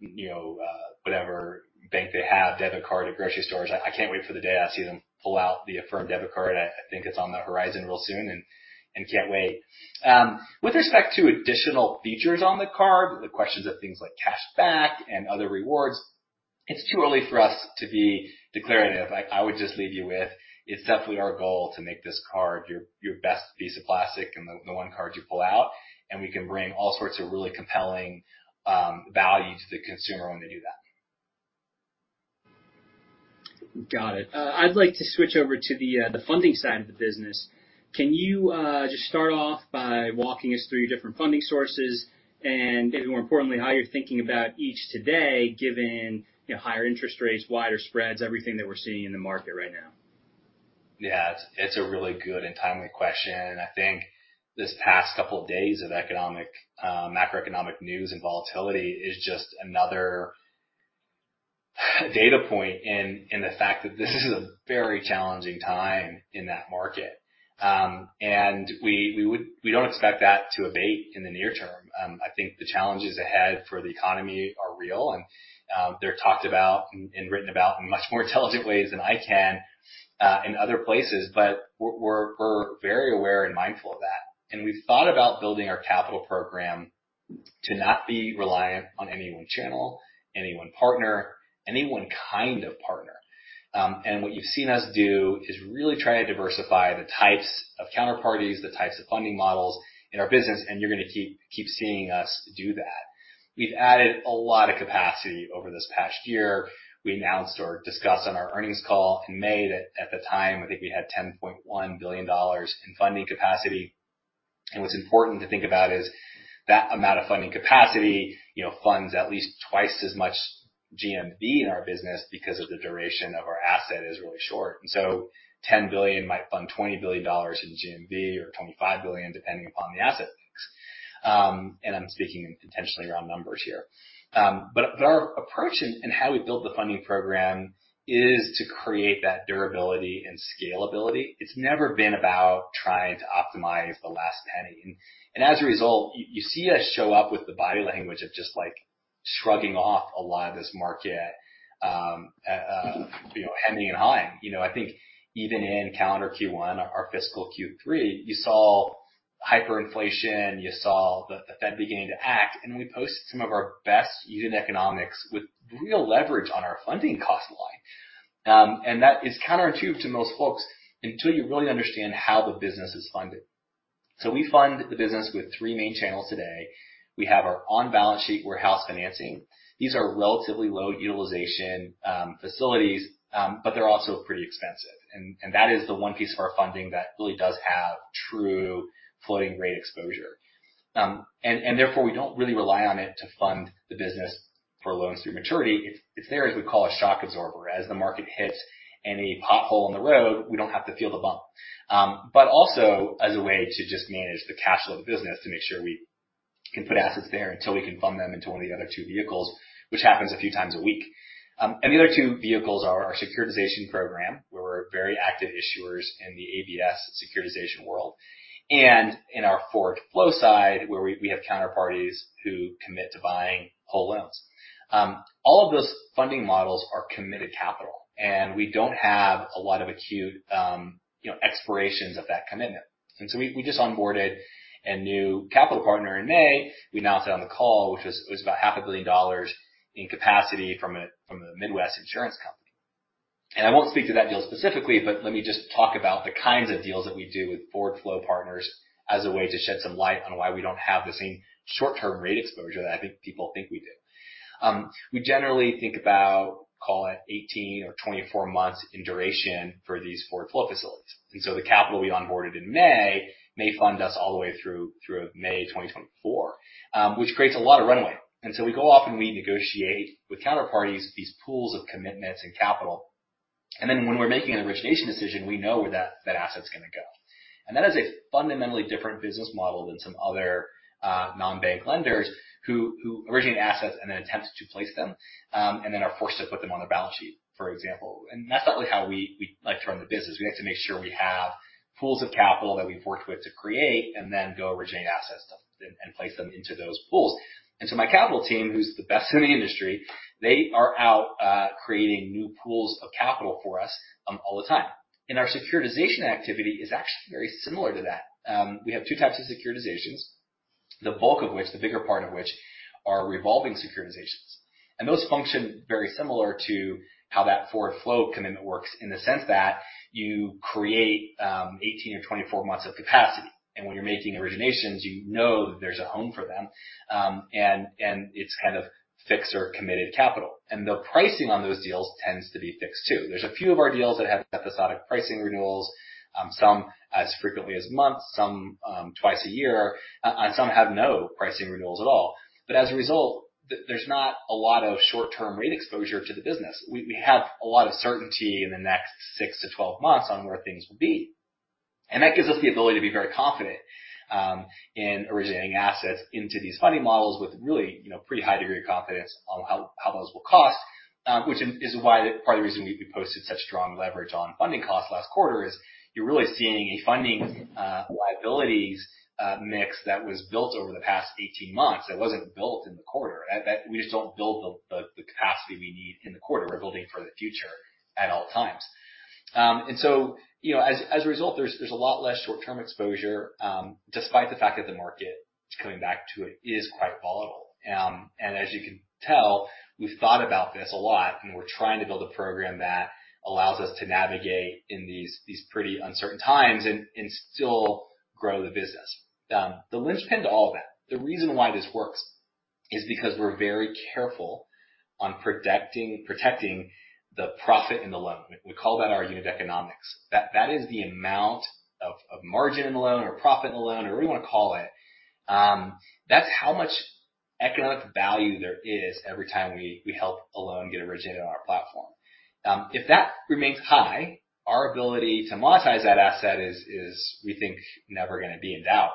you know, whatever bank they have, debit card at grocery stores. I can't wait for the day I see them pull out the Affirm debit card. I think it's on the horizon real soon and can't wait. With respect to additional features on the card, the questions of things like cash back and other rewards, it's too early for us to be declarative. Like, I would just leave you with, it's definitely our goal to make this card your best piece of plastic and the one card you pull out, and we can bring all sorts of really compelling value to the consumer when they do that. Got it. I'd like to switch over to the funding side of the business. Can you just start off by walking us through your different funding sources and maybe more importantly, how you're thinking about each today, given you know, higher interest rates, wider spreads, everything that we're seeing in the market right now? It's a really good and timely question, and I think this past couple of days of economic, macroeconomic news and volatility is just another data point in the fact that this is a very challenging time in that market. We don't expect that to abate in the near term. I think the challenges ahead for the economy are real and they're talked about and written about in much more intelligent ways than I can in other places. We're very aware and mindful of that. We've thought about building our capital program to not be reliant on any one channel, any one partner, any one kind of partner. What you've seen us do is really try to diversify the types of counterparties, the types of funding models in our business, and you're gonna keep seeing us do that. We've added a lot of capacity over this past year. We announced or discussed on our earnings call in May that at the time, I think we had $10.1 billion in funding capacity. What's important to think about is that amount of funding capacity, you know, funds at least twice as much GMV in our business because of the duration of our asset is really short. $10 billion might fund $20 billion in GMV or $25 billion, depending upon the asset mix. I'm speaking potentially around numbers here. But our approach in how we build the funding program is to create that durability and scalability. It's never been about trying to optimize the last penny. As a result, you see us show up with the body language of just, like, shrugging off a lot of this market, you know, hemming and hawing. You know, I think even in calendar Q1 or fiscal Q3, you saw hyperinflation, you saw the Fed beginning to act, and we posted some of our best unit economics with real leverage on our funding cost line. That is counterintuitive to most folks until you really understand how the business is funded. We fund the business with three main channels today. We have our on-balance sheet warehouse financing. These are relatively low utilization facilities, but they're also pretty expensive. That is the one piece of our funding that really does have true floating rate exposure. Therefore, we don't really rely on it to fund the business for loans through maturity. It's there as we call a shock absorber. As the market hits any pothole on the road, we don't have to feel the bump, also as a way to just manage the cash flow of the business to make sure we can put assets there until we can fund them into one of the other two vehicles, which happens a few times a week. The other two vehicles are our securitization program, where we're very active issuers in the ABS securitization world. In our forward flow side, where we have counterparties who commit to buying whole loans. All of those funding models are committed capital, and we don't have a lot of acute expirations of that commitment. We just onboarded a new capital partner in May. We announced it on the call, which was about half a billion dollars in capacity from a Midwest insurance company. I won't speak to that deal specifically, but let me just talk about the kinds of deals that we do with forward flow partners as a way to shed some light on why we don't have the same short-term rate exposure that I think people think we do. We generally think about, call it 18 or 24 months in duration for these forward flow facilities. The capital we onboarded in May may fund us all the way through May 2024, which creates a lot of runway. We go off and we negotiate with counterparties, these pools of commitments and capital. Then when we're making an origination decision, we know where that asset's gonna go. That is a fundamentally different business model than some other non-bank lenders who originate assets and then attempt to place them and then are forced to put them on their balance sheet, for example. That's not really how we like to run the business. We like to make sure we have pools of capital that we've worked with to create and then go originate assets and place them into those pools. My capital team, who's the best in the industry, they are out creating new pools of capital for us all the time. Our securitization activity is actually very similar to that. We have two types of securitizations, the bulk of which, the bigger part of which are revolving securitizations. Those function very similar to how that forward flow commitment works in the sense that you create 18 or 24 months of capacity. When you're making originations, you know that there's a home for them, and it's kind of fixed or committed capital. The pricing on those deals tends to be fixed too. There's a few of our deals that have episodic pricing renewals, some as frequently as monthly, some twice a year, and some have no pricing renewals at all. As a result, there's not a lot of short-term rate exposure to the business. We have a lot of certainty in the next 6 to 12 months on where things will be. That gives us the ability to be very confident in originating assets into these funding models with really, you know, pretty high degree of confidence on how much those will cost, which is why part of the reason we posted such strong leverage on funding costs last quarter is you're really seeing a funding liabilities mix that was built over the past 18 months. It wasn't built in the quarter. We just don't build the capacity we need in the quarter. We're building for the future at all times. You know, as a result, there's a lot less short-term exposure despite the fact that the market is coming back, too. It is quite volatile. As you can tell, we've thought about this a lot, and we're trying to build a program that allows us to navigate in these pretty uncertain times and still grow the business. The linchpin to all of that, the reason why this works, is because we're very careful on protecting the profit in the loan. We call that our unit economics. That is the amount of margin in the loan or profit in the loan or whatever you wanna call it. That's how much economic value there is every time we help a loan get originated on our platform. If that remains high, our ability to monetize that asset is we think never gonna be in doubt.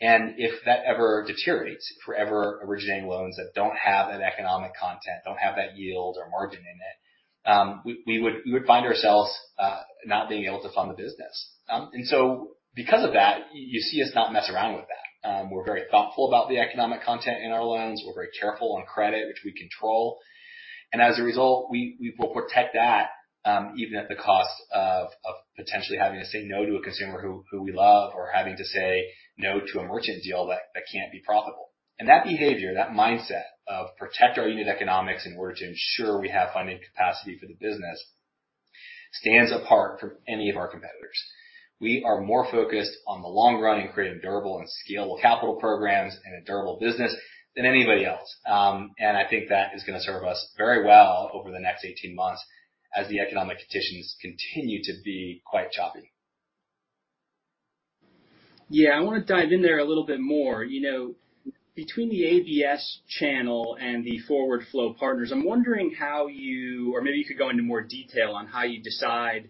If that ever deteriorates, if we're ever originating loans that don't have that economic content, don't have that yield or margin in it, we would find ourselves not being able to fund the business. Because of that, you see us not mess around with that. We're very thoughtful about the economic content in our loans. We're very careful on credit, which we control. As a result, we will protect that even at the cost of potentially having to say no to a consumer who we love or having to say no to a merchant deal that can't be profitable. That behavior, that mindset of protect our unit economics in order to ensure we have funding capacity for the business stands apart from any of our competitors. We are more focused on the long run and creating durable and scalable capital programs and a durable business than anybody else. I think that is gonna serve us very well over the next 18 months as the economic conditions continue to be quite choppy. Yeah. I wanna dive in there a little bit more. You know, between the ABS channel and the forward flow partners, I'm wondering how you or maybe you could go into more detail on how you decide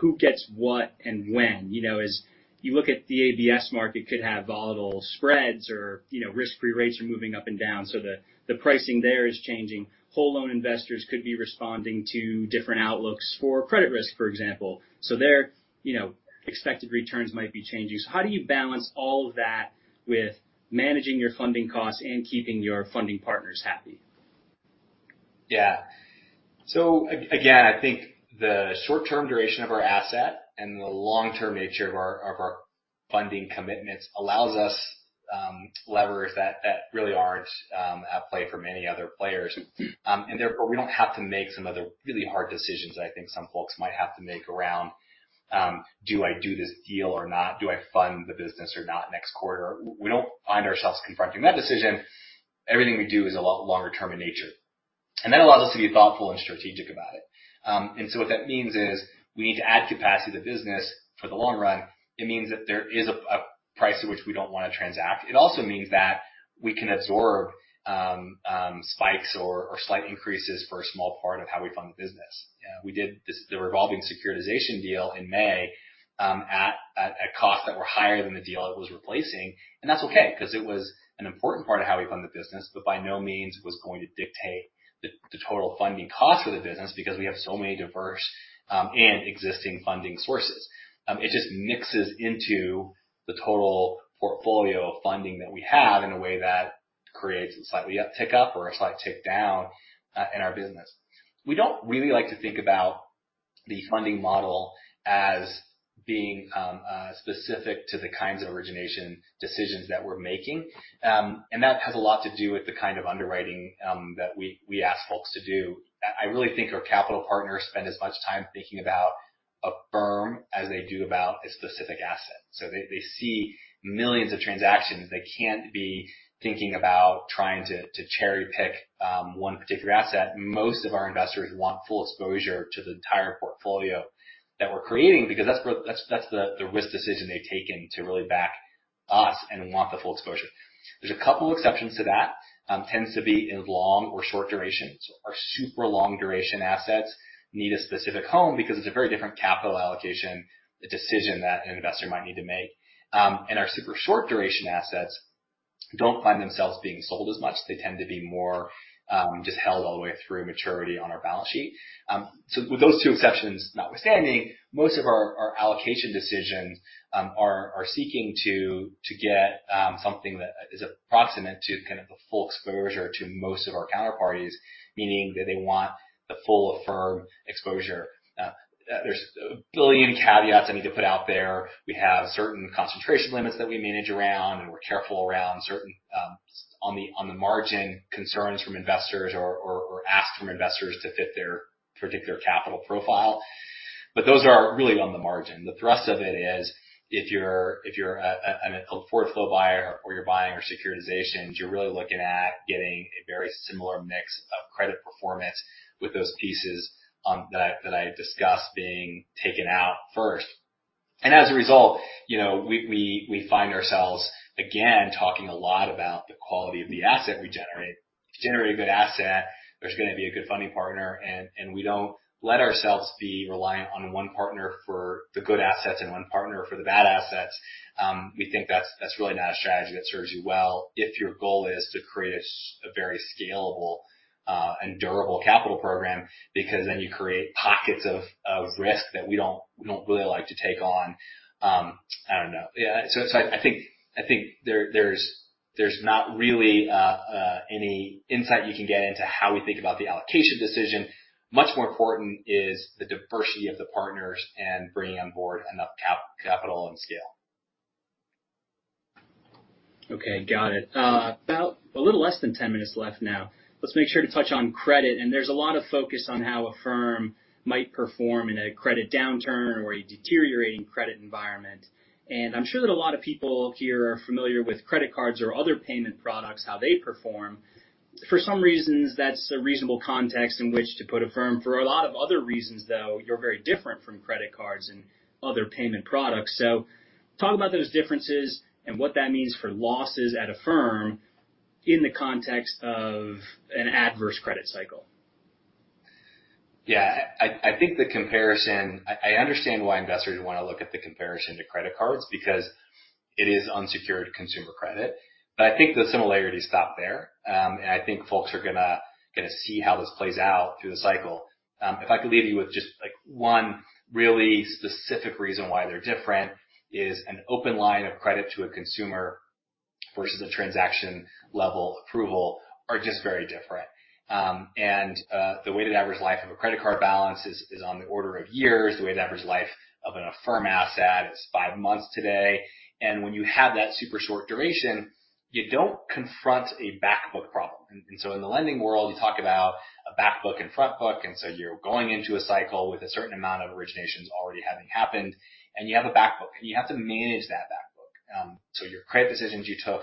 who gets what and when. You know, as you look at the ABS market could have volatile spreads or, you know, risk-free rates are moving up and down, so the pricing there is changing. Whole loan investors could be responding to different outlooks for credit risk, for example. Their expected returns might be changing. How do you balance all of that with managing your funding costs and keeping your funding partners happy? Yeah. Again, I think the short-term duration of our asset and the long-term nature of our funding commitments allows us leverage that really aren't at play for many other players. Therefore, we don't have to make some of the really hard decisions that I think some folks might have to make around, do I do this deal or not? Do I fund the business or not next quarter? We don't find ourselves confronting that decision. Everything we do is a lot longer term in nature, and that allows us to be thoughtful and strategic about it. What that means is we need to add capacity to business for the long run. It means that there is a price at which we don't wanna transact. It also means that we can absorb spikes or slight increases for a small part of how we fund the business. Yeah. We did this, the revolving securitization deal in May, at costs that were higher than the deal it was replacing, and that's okay because it was an important part of how we fund the business, but by no means was going to dictate the total funding cost of the business because we have so many diverse and existing funding sources. It just mixes into the total portfolio of funding that we have in a way that creates a slightly uptick or a slight tick down in our business. We don't really like to think about the funding model as being specific to the kinds of origination decisions that we're making. That has a lot to do with the kind of underwriting that we ask folks to do. I really think our capital partners spend as much time thinking about Affirm as they do about a specific asset. They see millions of transactions. They can't be thinking about trying to cherry-pick one particular asset. Most of our investors want full exposure to the entire portfolio that we're creating because that's the risk decision they've taken to really back us and want the full exposure. There's a couple exceptions to that. Tends to be in long or short durations. Our super long duration assets need a specific home because it's a very different capital allocation decision that an investor might need to make. Our super short duration assets don't find themselves being sold as much. They tend to be more, just held all the way through maturity on our balance sheet. With those two exceptions notwithstanding, most of our allocation decisions are seeking to get something that is approximate to kind of the full exposure to most of our counterparties, meaning that they want the full Affirm exposure. There's a billion caveats I need to put out there. We have certain concentration limits that we manage around and we're careful around certain on the margin concerns from investors or asks from investors to fit their particular capital profile. Those are really on the margin. The thrust of it is if you're a portfolio buyer or you're buying our securitizations, you're really looking at getting a very similar mix of credit performance with those pieces that I discussed being taken out first. As a result, you know, we find ourselves again talking a lot about the quality of the asset we generate. To generate a good asset, there's gonna be a good funding partner and we don't let ourselves be reliant on one partner for the good assets and one partner for the bad assets. We think that's really not a strategy that serves you well if your goal is to create a very scalable and durable capital program, because then you create pockets of risk that we don't really like to take on. I don't know. Yeah, it's like I think there's not really any insight you can get into how we think about the allocation decision. Much more important is the diversity of the partners and bringing on board enough capital and scale. Okay. Got it. About a little less than 10 minutes left now. Let's make sure to touch on credit. There's a lot of focus on how Affirm might perform in a credit downturn or a deteriorating credit environment. I'm sure that a lot of people here are familiar with credit cards or other payment products, how they perform. For some reasons, that's a reasonable context in which to put Affirm. For a lot of other reasons, though, you're very different from credit cards and other payment products. Talk about those differences and what that means for losses at Affirm in the context of an adverse credit cycle. Yeah. I think. I understand why investors wanna look at the comparison to credit cards because it is unsecured consumer credit. I think the similarities stop there. I think folks are gonna see how this plays out through the cycle. If I could leave you with just, like, 1 really specific reason why they're different is an open line of credit to a consumer versus a transaction-level approval are just very different. The weighted average life of a credit card balance is on the order of years. The weighted average life of an Affirm asset is 5 months today. When you have that super short duration, you don't confront a back book problem. In the lending world, you talk about a back book and front book, and you're going into a cycle with a certain amount of originations already having happened, and you have a back book, and you have to manage that back book. Your credit decisions you took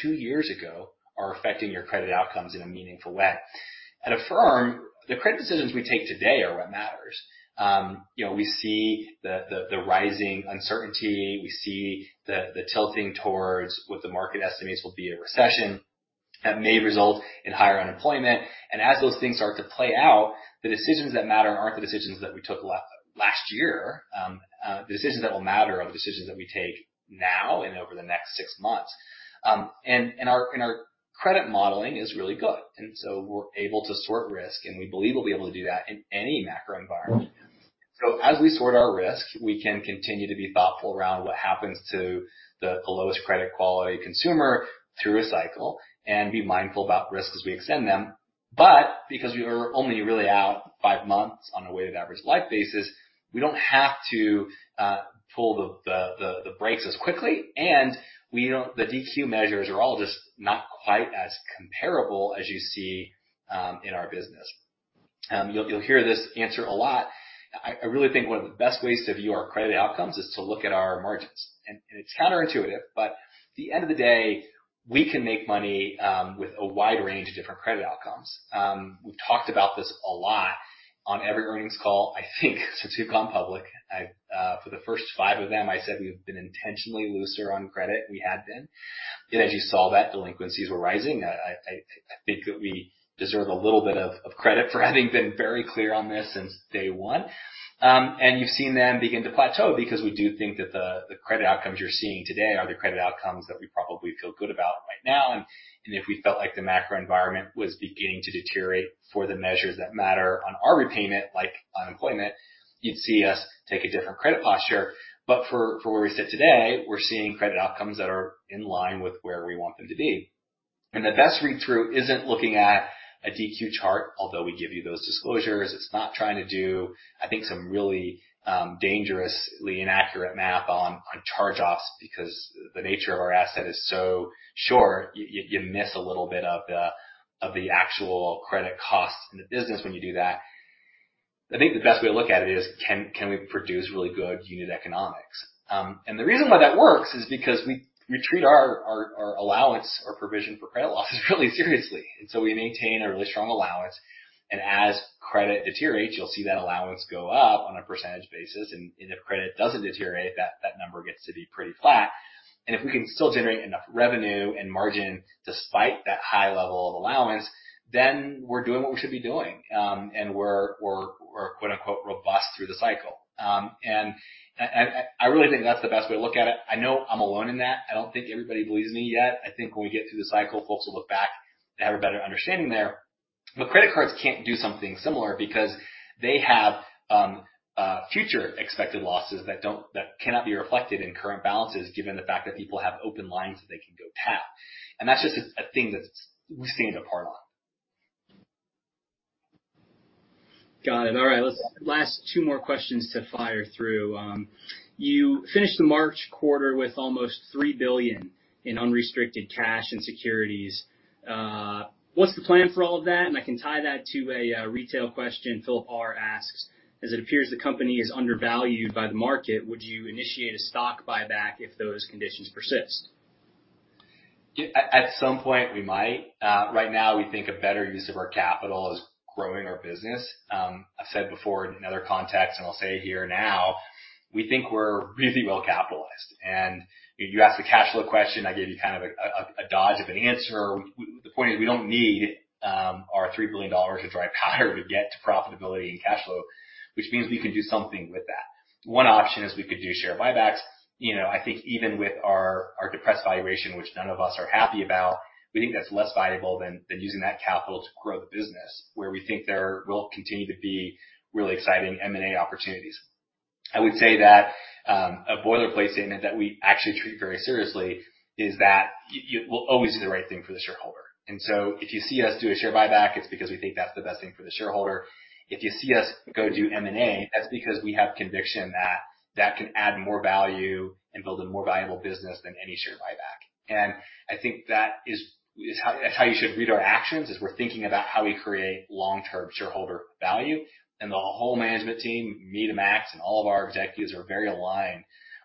two years ago are affecting your credit outcomes in a meaningful way. At Affirm, the credit decisions we take today are what matters. You know, we see the rising uncertainty. We see the tilting towards what the market estimates will be a recession that may result in higher unemployment. As those things start to play out, the decisions that matter aren't the decisions that we took last year. The decisions that will matter are the decisions that we take now and over the next six months. Our credit modeling is really good, and we're able to sort risk, and we believe we'll be able to do that in any macro environment. As we sort our risk, we can continue to be thoughtful around what happens to the lowest credit quality consumer through a cycle and be mindful about risks as we extend them. Because we are only really out five months on a weighted average life basis, we don't have to pull the brakes as quickly, and we don't. The DQ measures are all just not quite as comparable as you see in our business. You'll hear this answer a lot. I really think one of the best ways to view our credit outcomes is to look at our margins. It's counterintuitive, but at the end of the day, we can make money with a wide range of different credit outcomes. We've talked about this a lot on every earnings call, I think, since we've gone public. For the first five of them, I said we've been intentionally looser on credit, we had been. As you saw that delinquencies were rising. I think that we deserve a little bit of credit for having been very clear on this since day one. You've seen them begin to plateau because we do think that the credit outcomes you're seeing today are the credit outcomes that we probably feel good about right now. If we felt like the macro environment was beginning to deteriorate for the measures that matter on our repayment, like unemployment, you'd see us take a different credit posture. For where we sit today, we're seeing credit outcomes that are in line with where we want them to be. The best read-through isn't looking at a DQ chart, although we give you those disclosures. It's not trying to do, I think, some really dangerously inaccurate math on charge-offs because the nature of our asset is so short, you miss a little bit of the actual credit costs in the business when you do that. I think the best way to look at it is can we produce really good unit economics? The reason why that works is because we treat our allowance or provision for credit losses really seriously. We maintain a really strong allowance. As credit deteriorates, you'll see that allowance go up on a percentage basis. If credit doesn't deteriorate, that number gets to be pretty flat. If we can still generate enough revenue and margin despite that high level of allowance, then we're doing what we should be doing, and we're quote-unquote, "robust through the cycle." I really think that's the best way to look at it. I know I'm alone in that. I don't think everybody believes me yet. I think when we get through the cycle, folks will look back and have a better understanding there. Credit cards can't do something similar because they have future expected losses that cannot be reflected in current balances given the fact that people have open lines that they can go tap. That's just a thing that we stand apart on. Got it. All right. Last two more questions to fire through. You finished the March quarter with almost $3 billion in unrestricted cash and securities. What's the plan for all of that? I can tie that to a retail question. Philip R asks, "As it appears the company is undervalued by the market, would you initiate a stock buyback if those conditions persist? Yeah. At some point we might. Right now we think a better use of our capital is growing our business. I've said before in other contexts, and I'll say it here now, we think we're really well capitalized. You asked a cash flow question, I gave you kind of a dodge of an answer. The point is we don't need our $3 billion to drive harder to get to profitability and cash flow, which means we can do something with that. One option is we could do share buybacks. You know, I think even with our depressed valuation, which none of us are happy about, we think that's less valuable than using that capital to grow the business, where we think there will continue to be really exciting M&A opportunities. I would say that a boilerplate statement that we actually treat very seriously is that we'll always do the right thing for the shareholder. If you see us do a share buyback, it's because we think that's the best thing for the shareholder. If you see us go do M&A, that's because we have conviction that that can add more value and build a more valuable business than any share buyback. I think that is how you should read our actions, we're thinking about how we create long-term shareholder value. The whole management team, me to Max and all of our executives are very aligned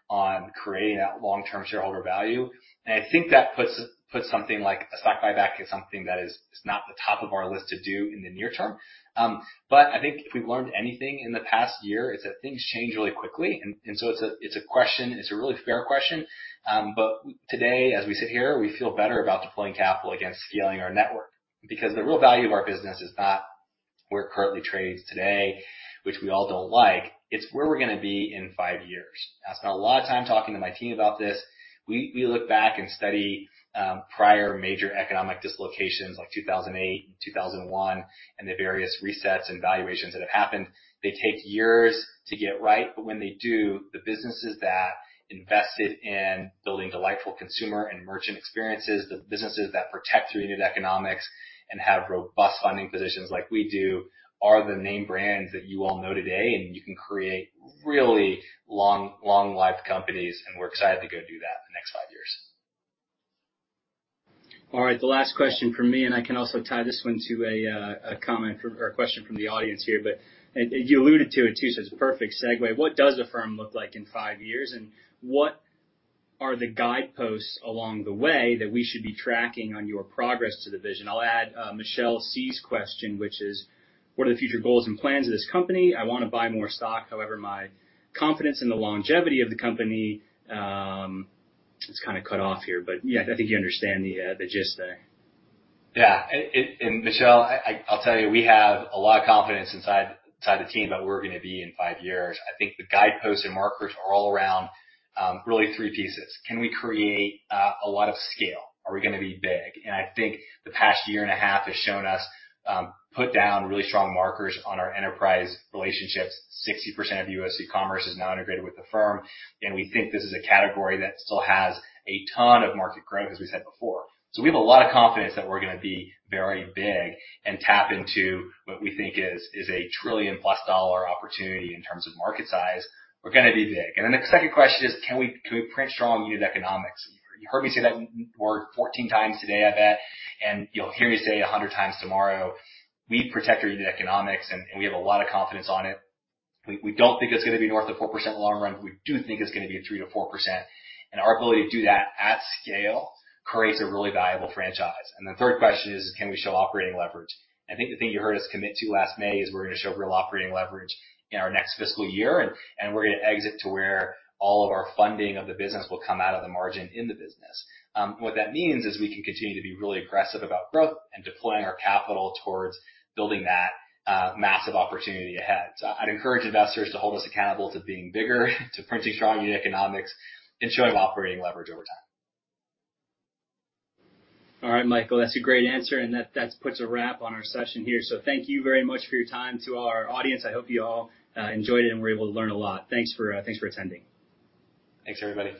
on creating that long-term shareholder value. I think that puts something like a stock buyback as something that is not the top of our list to do in the near term. I think if we've learned anything in the past year, it's that things change really quickly. It's a question and it's a really fair question. Today, as we sit here, we feel better about deploying capital against scaling our network. The real value of our business is not where it currently trades today, which we all don't like. It's where we're gonna be in five years. I spend a lot of time talking to my team about this. We look back and study prior major economic dislocations like 2008, 2001, and the various resets and valuations that have happened. They take years to get right, but when they do, the businesses that invested in building delightful consumer and merchant experiences, the businesses that protect their unit economics and have robust funding positions like we do are the name brands that you all know today, and you can create really long, long-lived companies, and we're excited to go do that in the next five years. All right. The last question from me, and I can also tie this one to a comment or a question from the audience here, but you alluded to it too, so it's a perfect segue. What does Affirm look like in five years? And what are the guideposts along the way that we should be tracking on your progress to the vision? I'll add Michelle C's question, which is, "What are the future goals and plans of this company? I wanna buy more stock, however, my confidence in the longevity of the company." It's kinda cut off here, but yeah, I think you understand the gist there. Michelle C, I'll tell you, we have a lot of confidence inside the team about where we're gonna be in five years. I think the guideposts and markers are all around really three pieces. Can we create a lot of scale? Are we gonna be big? I think the past year and a half has shown us put down really strong markers on our enterprise relationships. 60% of U.S. e-commerce is now integrated with Affirm, and we think this is a category that still has a ton of market growth, as we said before. We have a lot of confidence that we're gonna be very big and tap into what we think is a $1 trillion+ opportunity in terms of market size. We're gonna be big. The second question is, can we print strong unit economics? You heard me say that w-word 14x today, I bet, and you'll hear me say it 100x tomorrow. We protect our unit economics, and we have a lot of confidence on it. We don't think it's gonna be north of 4% in the long run, but we do think it's gonna be at 3%-4%. Our ability to do that at scale creates a really valuable franchise. The third question is, can we show operating leverage? I think the thing you heard us commit to last May is we're gonna show real operating leverage in our next fiscal year, and we're gonna exit to where all of our funding of the business will come out of the margin in the business. What that means is we can continue to be really aggressive about growth and deploying our capital towards building that massive opportunity ahead. I'd encourage investors to hold us accountable to being bigger, to printing strong unit economics, and showing operating leverage over time. All right, Michael, that's a great answer, and that puts a wrap on our session here. Thank you very much for your time. To our audience, I hope you all enjoyed it and were able to learn a lot. Thanks for attending. Thanks, everybody.